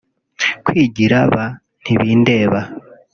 kwigira ba ntibindeba